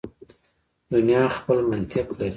دنیا خپل منطق لري.